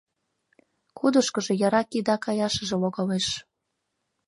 Кудышкыжо яра кида каяшыже логалеш.